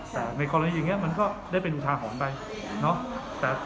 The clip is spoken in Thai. แต่ในคนละนี้อย่างนี้มันก็ได้เป็นอยู่ทางของมันไปเนอะ